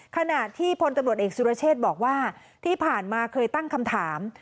ขณะที่พลตำรวจเอกสุรเชษบอกว่าที่ผ่านมาเคยตั้งคำถาม